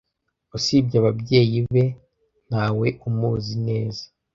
Usibye ababyeyi be, ntawe umuzi neza.